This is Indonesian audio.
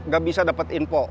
gak bisa dapet info